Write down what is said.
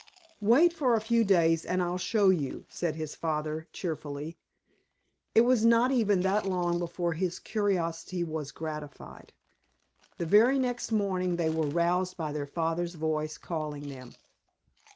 "Wait for a few days and I'll show you," said his father cheerfully. It was not even that long before his curiosity was gratified. The very next morning they were roused by their father's voice calling them.